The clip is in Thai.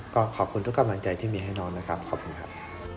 ก็ขอบคุณทุกกำลังใจที่มีให้น้องนะครับขอบคุณครับ